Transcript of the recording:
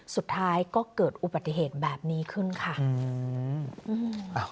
สุดท้ายก็เกิดอุบัติเหตุแบบนี้ขึ้นค่ะอืม